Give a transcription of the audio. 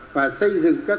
và xây dựng các